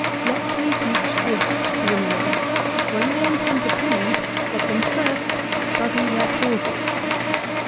" Let me teach this to them all ; when they intend to plead, let them first study their causes."